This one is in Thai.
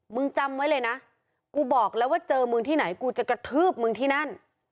จำไว้เลยนะกูบอกแล้วว่าเจอมึงที่ไหนกูจะกระทืบมึงที่นั่น